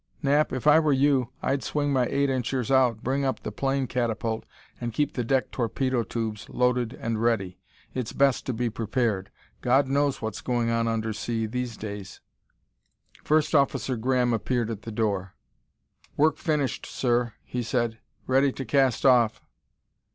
Knapp, if I were you I'd swing my eight inchers out, bring up the plane catapult and keep the deck torpedo tubes loaded and ready. It's best to be prepared; God knows what's going on underseas these days!" First Officer Graham appeared at the door. "Work finished, sir," he said. "Ready to cast off."